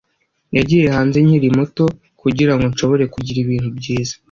yagiye hanze nkiri muto kugirango nshobore kugira ibintu byiza